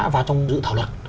vào trong dự thảo lực